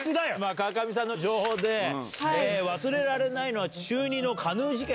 川上さんの情報で、忘れられないのは、中２のカヌー事件。